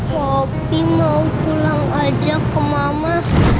kopi mau pulang aja ke mama